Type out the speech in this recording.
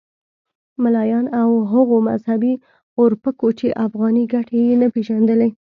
ملایانو او هغو مذهبي اورپکو چې افغاني ګټې یې نه پېژندلې.